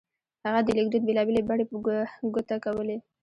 هغه د لیکدود بېلا بېلې بڼې په ګوته کولې.